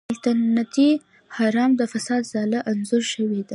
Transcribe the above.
سلطنتي حرم د فساد ځاله انځور شوې ده.